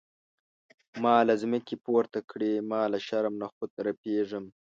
ما له ځمکې پورته کړي ما له شرم نخوت رپیږم.